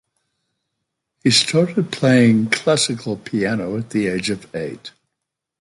He started playing classical piano at the age of eight.